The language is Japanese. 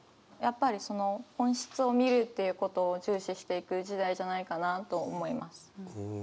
やっぱりその本質を見るっていうことを重視していく時代じゃないかなと思います。